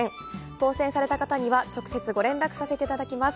当せんされた方には、直接ご連絡させていただきます。